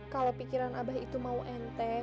kalo pikiran abah itu mau endah